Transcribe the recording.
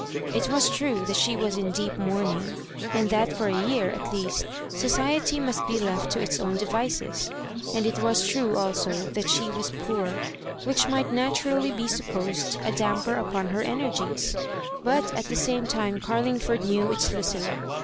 It was true that she was in deep mourning, and that for a year, at least, society must be left to its own devices ; and it was true, also, that she was poor — which might naturally be supposed a damper upon her energies — ^but, at the same time, Carlingford knew its Lucilla.